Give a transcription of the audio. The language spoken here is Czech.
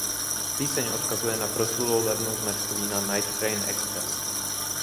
Píseň odkazuje na proslulou levnou značku vína Night Train Expres.